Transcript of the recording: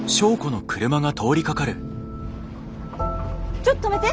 ちょっと止めて！